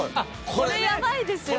これやばいですよね。